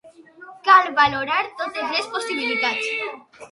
Cal valorar totes les possibilitats.